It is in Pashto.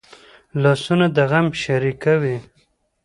لاسونه د غم شریکه وي